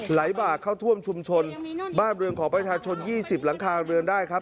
บากเข้าท่วมชุมชนบ้านเรือนของประชาชน๒๐หลังคาเรือนได้ครับ